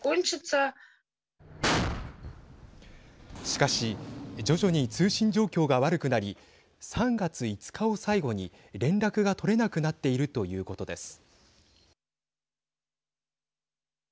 しかし徐々に通信状況が悪くなり３月５日を最後に連絡が取れなくなっているということです。